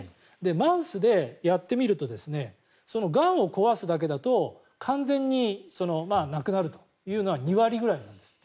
マウスでやってみるとがんを壊すだけだと完全になくなるというのは２割ぐらいなんですって。